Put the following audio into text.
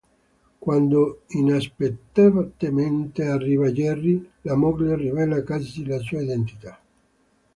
Quando, inaspettatamente, arriva Jerry, la moglie rivela a Cassie la sua identità.